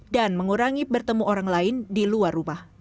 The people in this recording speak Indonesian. dan mengurangi bertemu orang lain di luar rumah